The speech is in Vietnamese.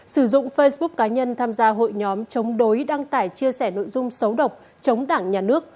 sử dụng facebook cá nhân tham gia hội nhóm chống đối đăng tải chia sẻ nội dung xấu độc chống đảng nhà nước